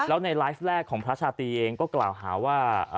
แล้วในไลฟ์แรกของพระชาตรีเองก็กล่าวหาว่า